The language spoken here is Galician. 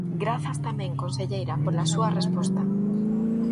Grazas tamén, conselleira, pola súa resposta.